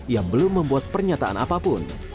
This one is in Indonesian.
yang belum membuat pernyataan apapun